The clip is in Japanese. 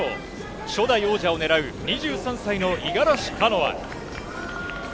初代王者を狙う、２３歳の五十嵐カノア。